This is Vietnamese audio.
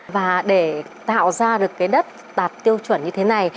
và để tạo ra được cái đất đạt tiêu chuẩn như thế này